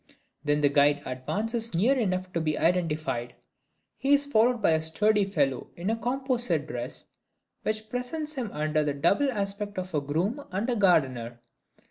Then the guide advances near enough to be identified. He is followed by a sturdy fellow in a composite dress, which presents him under the double aspect of a groom and a gardener.